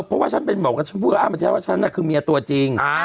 เพราะฉันเป็นหมอครับผมคงคิดว่าฉันน่ะคือเมียตัวจริง